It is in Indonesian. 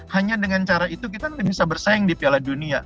hanya dengan cara itu kita bisa bersaing di piala dunia